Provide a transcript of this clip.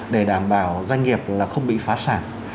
để đảm bảo doanh nghiệp là không bị phá sản